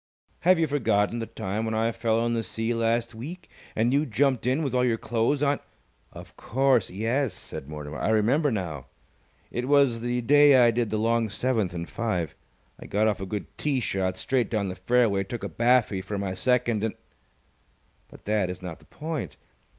"Have you forgotten the time when I fell in the sea last week, and you jumped in with all your clothes on " "Of course, yes," said Mortimer. "I remember now. It was the day I did the long seventh in five. I got off a good tee shot straight down the fairway, took a baffy for my second, and But that is not the point.